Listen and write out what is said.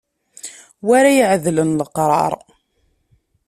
Wi ara iɛedlen leqrar.